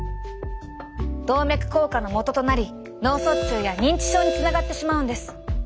動脈硬化のもととなり脳卒中や認知症につながってしまうんです。